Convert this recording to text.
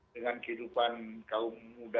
dengan kehidupan kaum muda